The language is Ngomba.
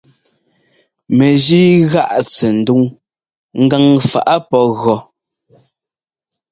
Mɛgíi gáꞌ sɛndúŋ gaŋfaꞌ pɔ́ gɔ́.